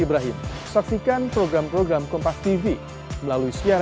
itu seingat saya kok enggak ada amikus kure